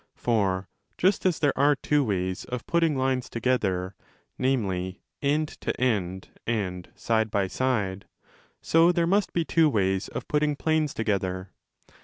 For just as there are two ways of putting lines together, namely, end to end and side by side, so there must be two ways of putting planes together.